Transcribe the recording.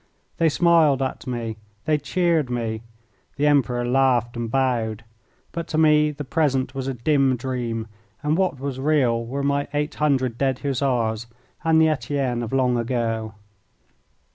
They smiled at me. They cheered me. The Emperor laughed and bowed. But to me the present was a dim dream, and what was real were my eight hundred dead Hussars and the Etienne of long ago.